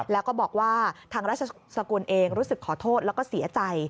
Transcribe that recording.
แล้วก็บอกว่าทางราชสกุลเองรู้สึกขอโทษแล้วก็เสียใจ